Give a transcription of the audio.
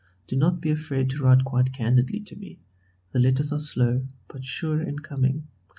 Do not be afraid to write quite candidly to me; letters are slow but sure in coming.